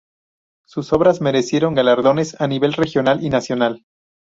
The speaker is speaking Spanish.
Sus obras merecieron galardones a nivel regional y nacional.